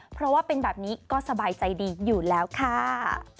เพราะว่าเป็นแบบนี้ก็สบายใจดีอยู่แล้วค่ะ